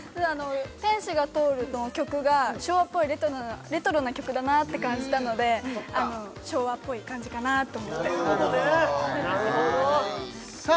「天使が通る」の曲が昭和っぽいレトロな曲だなって感じたので昭和っぽい感じかなと思ってそういうことねなるほどさあ